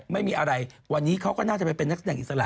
ไม่มีอะไรวันนี้เขาก็น่าจะไปเป็นนักแสดงอิสระ